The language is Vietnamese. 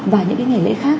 và những cái ngày lễ khác